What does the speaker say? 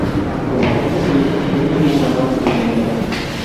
Como cuenta su hijo, John tuvo una muerte muy lenta.